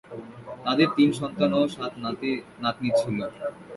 তাদের তিন সন্তান ও সাত নাতি-নাতনী ছিল।